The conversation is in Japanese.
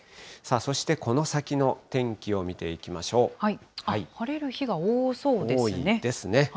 そしてこの先の天気を見ていきま晴れる日が多そうですね。